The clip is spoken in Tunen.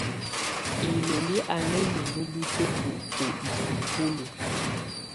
Ilolí a ná minu lutǝ́kǝ u isukúlu.